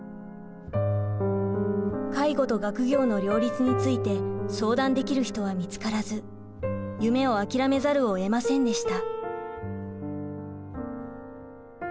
介護と学業の両立について相談できる人は見つからず夢を諦めざるをえませんでした。